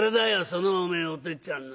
そのおめえおてっちゃんなんだよ。